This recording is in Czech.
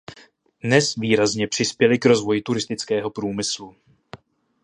Dnes výrazně přispěly k rozvoji turistického průmyslu.